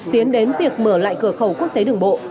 tiến đến việc mở lại cửa khẩu quốc tế đường bộ